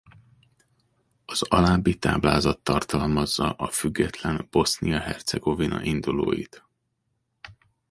Az alábbi táblázat tartalmazza a független Bosznia-Hercegovina indulóit.